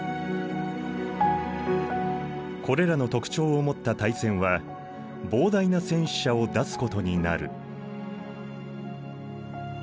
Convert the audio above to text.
これらの特徴を持った大戦は膨大な戦死者を出すことになる。